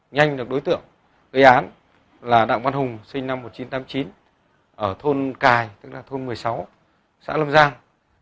nhanh được đối tượng gây án là đặng văn hùng sinh năm một nghìn chín trăm tám mươi chín ở thôn cài tức là thôn một mươi sáu xã lâm giang